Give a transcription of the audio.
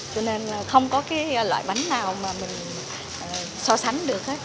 cho nên là không có cái loại bánh nào mà mình so sánh